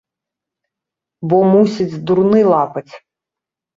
Бо, мусіць, дурны лапаць!